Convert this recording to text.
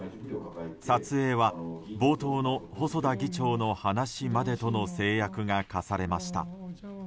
撮影は冒頭の細田議長の話までとの制約が課されました。